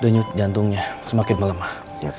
denyut jantungnya semakin melemah